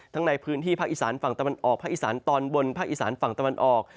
ในพื้นที่ภาคอีสานฝั่งตะวันออกภาคอีสานตอนบนภาคอีสานฝั่งตะวันออก